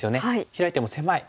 ヒラいても狭い。